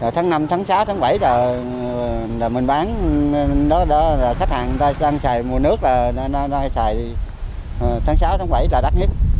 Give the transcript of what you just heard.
tháng năm tháng sáu tháng bảy là mình bán đó là khách hàng đang xài mua nước là đang xài tháng sáu tháng bảy là đắt nhất